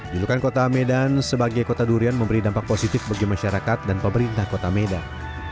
julukan kota medan sebagai kota durian memberi dampak positif bagi masyarakat dan pemerintah kota medan